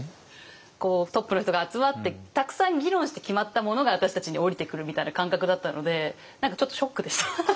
トップの人が集まってたくさん議論して決まったものが私たちに下りてくるみたいな感覚だったので何かちょっとショックでした。